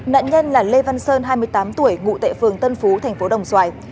nạn nhân là lê văn sơn hai mươi tám tuổi ngụ tại phường tân phú thành phố đồng xoài